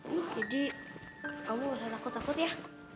jadi kamu gak usah takut takut ya